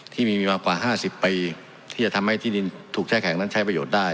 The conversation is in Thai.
ที่มีมากว่า๕๐ปีที่จะทำให้ที่ดินถูกแช่แข็งนั้นใช้ประโยชน์ได้